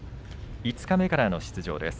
五日目からの出場です。